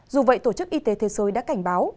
dù vậy tổ chức y tế thế giới đã cảnh báo